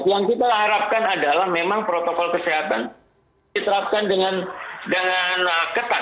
yang kita harapkan adalah memang protokol kesehatan diterapkan dengan ketat